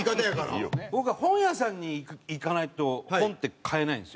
僕は本屋さんに行かないと本って買えないんですよ。